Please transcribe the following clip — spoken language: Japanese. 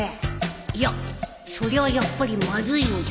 いやそれはやっぱりまずいんじゃ